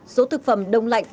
số thực phẩm đông lạnh